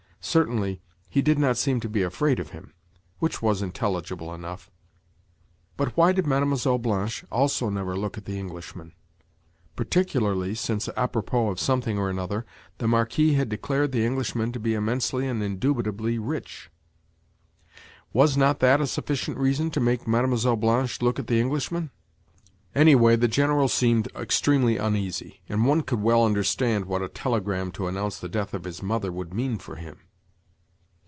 Certainly he did not seem to be afraid of him; which was intelligible enough. But why did Mlle. Blanche also never look at the Englishman?—particularly since, à propos of something or another, the Marquis had declared the Englishman to be immensely and indubitably rich? Was not that a sufficient reason to make Mlle. Blanche look at the Englishman? Anyway the General seemed extremely uneasy; and, one could well understand what a telegram to announce the death of his mother would mean for him!